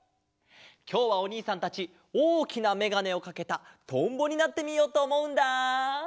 きょうはおにいさんたちおおきなめがねをかけたとんぼになってみようとおもうんだ！